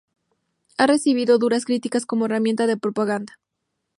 Ha recibido duras críticas como herramienta de propaganda.